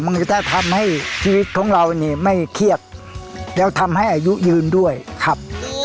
มันก็จะทำให้ชีวิตของเรานี่ไม่เครียดแล้วทำให้อายุยืนด้วยครับ